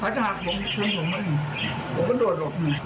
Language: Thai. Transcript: ถ้าจะหักผมผมก็โดดลง